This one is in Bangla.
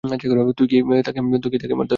তুই কি তাকে মারধর করেছিস?